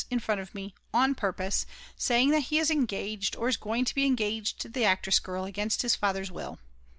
in front of me, on purpose, saying that he is engaged or is going to be engaged to the actress girl against his father's will.